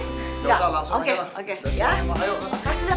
gak apa apa langsung aja lah